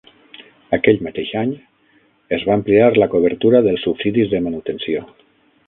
Aquell mateix any, es va ampliar la cobertura dels subsidis de manutenció.